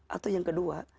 atau yang kedua